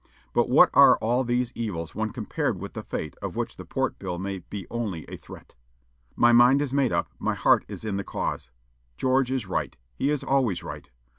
But what are all these evils when compared with the fate of which the Port Bill may be only a threat? My mind is made up, my heart is in the cause. George is right; he is always right.